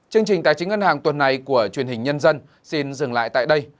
chương trình tài chính ngân hàng tuần này của truyền hình nhân dân xin dừng lại tại đây